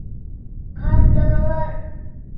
Ҡандалалар!